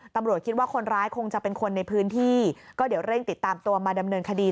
ตำรวจคิดว่าคนร้ายคงจะเป็นคนในพื้นที่ก็เดี๋ยวเร่งติดตามตัวมาดำเนินคดี